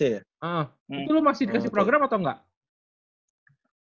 itu lo masih dikasih program atau enggak